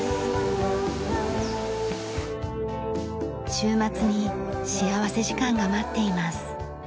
週末に幸福時間が待っています。